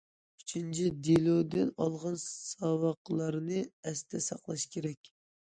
ئۈچىنچى، دېلودىن ئالغان ساۋاقلارنى ئەستە ساقلاش كېرەك.